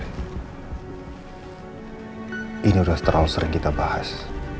hai ini udah terlalu sering kita bahas